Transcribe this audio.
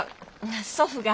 あ祖父が。